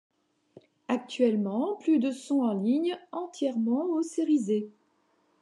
Actuellement, plus de sont en ligne, entièrement océrisées.